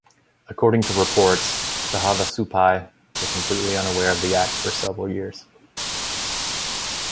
According to reports, the Havasupai were completely unaware of the act for several years.